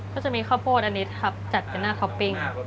ก็จะมีข้าวโพดอันนี้ครับจัดเป็นหน้าท็อปปิ้ง